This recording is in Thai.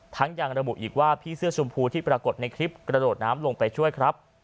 ยังระบุอีกว่าพี่เสื้อชมพูที่ปรากฏในคลิปกระโดดน้ำลงไปช่วยครับ